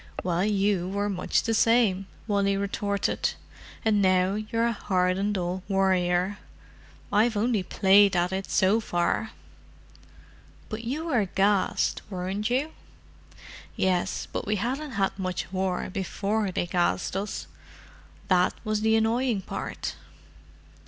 "Well, you were much the same," Wally retorted. "And now you're a hardened old warrior—I've only played at it so far." "But you were gassed, weren't you?" "Yes—but we hadn't had much war before they gassed us. That was the annoying part."